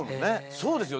そうですよ。